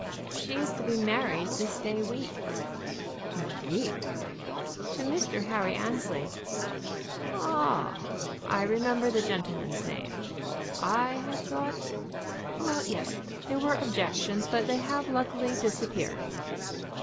"She is to be married this day week." "Indeed!" "To Mr. Harry Annesley." "Oh h h! I remember the gentleman's name. I had thought " "Well, yes; there were objections, but they have luckily disappeared."